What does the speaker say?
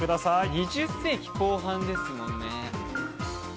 ２０世紀後半ですものね。